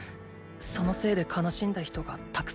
そのせいで悲しんだ人がたくさんいる。